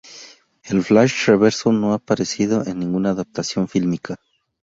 El Flash-Reverso no ha aparecido en ninguna adaptación fílmica.